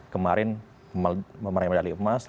kemarin memarahi medali emas